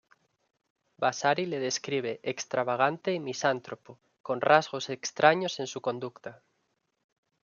Vasari le describe extravagante y misántropo, con rasgos extraños en su conducta.